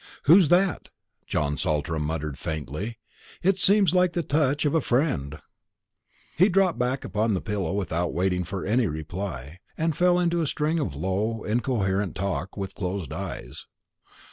"Who's that?" John Saltram muttered faintly. "It seems like the touch of a friend." He dropped back upon the pillow without waiting for any reply, and fell into a string of low incoherent talk, with closed eyes.